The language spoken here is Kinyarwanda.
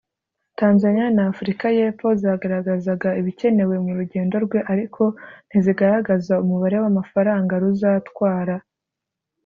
Tanzania na Afurika y’Epfo zagaragazaga ibikenewe mu rugendo rwe ariko ntizigaragaza umubare w’amafaranga ruzatwara